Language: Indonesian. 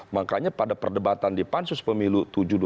makanya pada perdebatan di pansus pemilu tujuh dua ribu sembilan belas